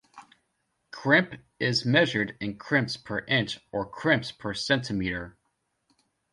Crimp is measured in crimps per inch or crimps per centimetre.